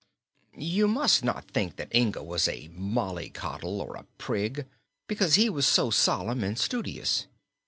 You must not think that Inga was a molly coddle or a prig, because he was so solemn and studious.